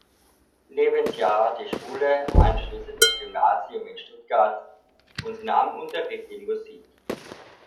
Lebensjahr die Schule, anschließend das Gymnasium in Stuttgart und nahm Unterricht in Musik.